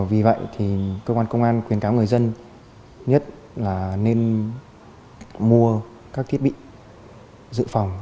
vì vậy thì cơ quan công an khuyến cáo người dân nhất là nên mua các thiết bị dự phòng